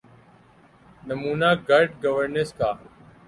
نمونہ good governance کا۔